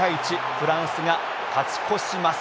フランスが勝ち越します。